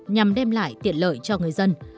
nhằm đem lại tiện lợi cho người dân